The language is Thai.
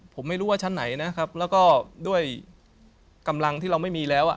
ผมไม่รู้ว่าชั้นไหนนะครับแล้วก็ด้วยกำลังที่เราไม่มีแล้วอ่ะ